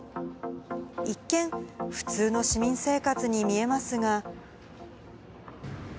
一見、普通の市民生活に見えますが。